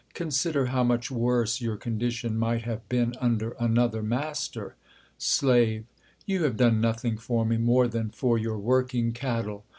Consider how much worse your condi tion might have been under another m.astcr. Slave. You have done nothing for me more than for your working cattle.